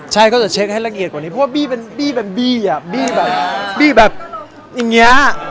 ใช่เขาจะเช็คให้ละเกียร์กว่านี้เพราะว่าบีมันบีอ่ะบีแบบอย่างเนี่ย